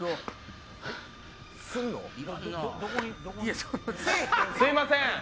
すいません！